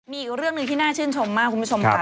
มีอีกเรื่องหนึ่งที่น่าชื่นชมมากคุณผู้ชมค่ะ